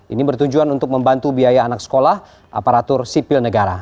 ini bertujuan untuk membantu biaya anak sekolah aparatur sipil negara